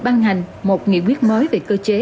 băng hành một nghị quyết mới về cơ chế